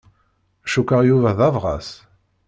Cukkeɣ Yuba d abɣas.